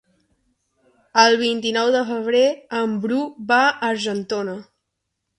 El vint-i-nou de febrer en Bru va a Argentona.